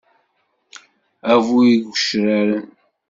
A bu yigecraren.